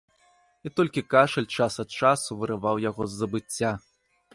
І толькі кашаль час ад часу вырываў яго з забыцця.